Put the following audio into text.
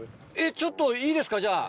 ちょっといいですかじゃあ。